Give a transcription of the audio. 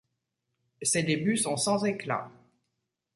Ses débuts sont sans éclats.